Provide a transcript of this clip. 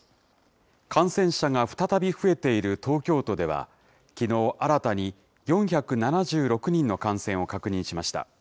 感染者が再び増えている東京都では、きのう新たに４７６人の感染を確認しました。